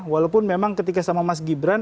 walaupun memang ketika sama mas gibran